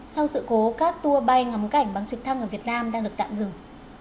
sau sự cố các tour bay ngắm cảnh bắn trực thăng ở việt nam đang được tạm dừng